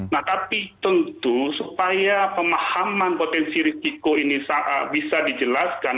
nah tapi tentu supaya pemahaman potensi risiko ini bisa dijelaskan